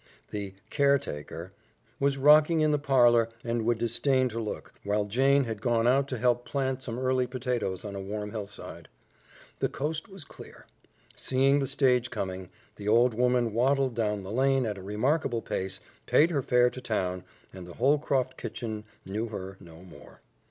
The "caretaker" was rocking in the parlor and would disdain to look, while Jane had gone out to help plant some early potatoes on a warm hillside. The coast was clear. Seeing the stage coming, the old woman waddled down the lane at a remarkable pace, paid her fare to town, and the Holcroft kitchen knew her no more.